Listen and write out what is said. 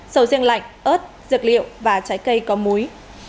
sầu riêng lạnh ớt dược liệu và trái cây có múi